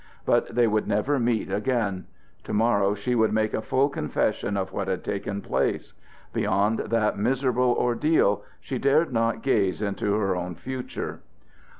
But they would never meet again. To morrow she would make a full confession of what had taken place. Beyond that miserable ordeal she dared not gaze into her own future.